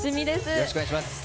よろしくお願いします。